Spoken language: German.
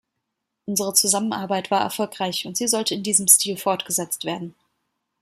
Unsere Zusammenarbeit war erfolgreich, und sie sollte in diesem Stil fortgesetzt werden.